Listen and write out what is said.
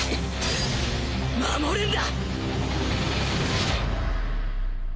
守るんだ！